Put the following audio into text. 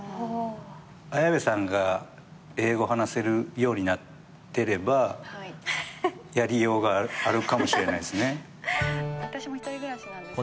綾部さんが英語話せるようになってればやりようがあるかもしれないですね。